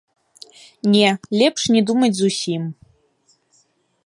Не, лепш не думаць зусім.